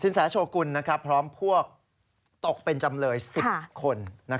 แสโชกุลพร้อมพวกตกเป็นจำเลย๑๐คน